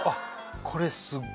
これすっご！